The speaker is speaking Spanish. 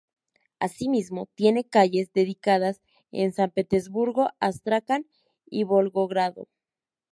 Asimismo, tiene calles dedicadas en San Petersburgo, Astracán y Volgogrado.